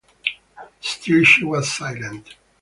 Still she was silent.